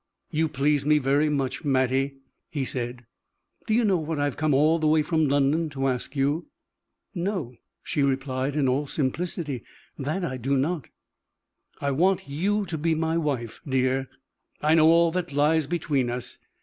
"You please me very much, Mattie," he said. "Do you know what I have come all the way from London to ask you?" "No," she replied, in all simplicity, "that I do not." "I want you to be my wife, dear. I know all that lies between us.